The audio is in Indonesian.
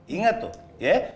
ingat tuh ya